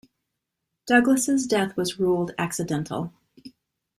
Douglas' death was ruled accidental.